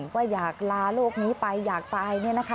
ว่าอยากลาโลกนี้ไปอยากตายเนี่ยนะคะ